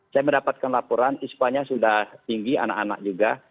saya mendapatkan laporan ispanya sudah tinggi anak anak juga